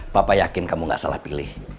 papa yakin kamu gak salah pilih